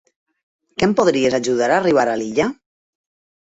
Que em podries ajudar a arribar a l'illa?